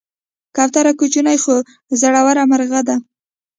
کوتره کوچنۍ خو زړوره مرغه ده.